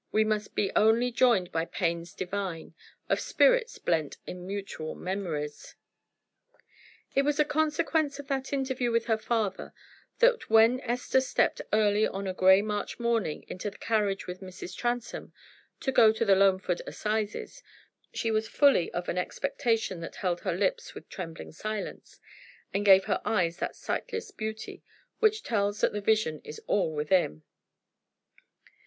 We must be only joined by pains divine, Of spirits blent in mutual memories. It was a consequence of that interview with her father, that when Esther stepped early on a gray March morning into the carriage with Mrs. Transome, to go to the Loamford Assizes, she was full of an expectation that held her lips in trembling silence, and gave her eyes that sightless beauty which tells that the vision is all within.